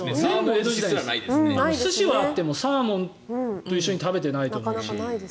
寿司はあってもサーモンと一緒に食べてないと思うし。